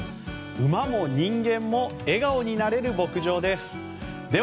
馬も人間も笑顔になれる牧場です。